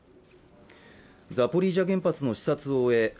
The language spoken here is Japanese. ザポリージャ原発の視察を終え